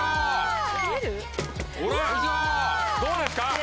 ほらどうですか？